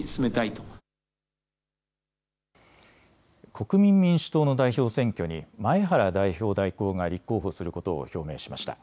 国民民主党の代表選挙に前原代表代行が立候補することを表明しました。